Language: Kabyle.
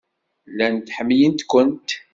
Llant ḥemmlent-kent.